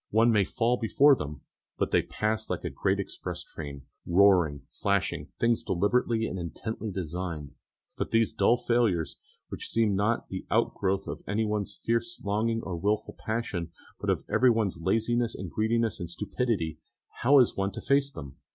One may fall before them, but they pass like a great express train, roaring, flashing, things deliberately and intently designed; but these dull failures which seem not the outgrowth of anyone's fierce longing or wilful passion, but of everyone's laziness and greediness and stupidity, how is one to face them?